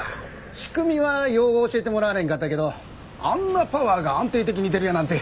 仕組みはよう教えてもらわれへんかったけどあんなパワーが安定的に出るやなんて